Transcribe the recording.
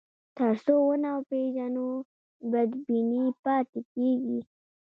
تر څو ونه پېژنو، بدبیني پاتې کېږي.